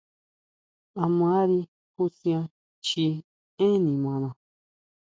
A mari jusian chji énn nimaná.